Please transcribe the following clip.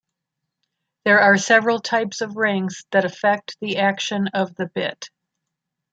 There are several types of rings that affect the action of the bit.